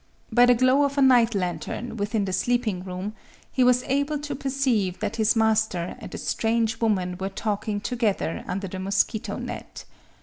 By the glow of a night lantern within the sleeping room, he was able to perceive that his master and a strange woman were talking together under the mosquito net.